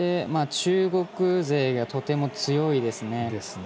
そして、中国勢がとても強いですね。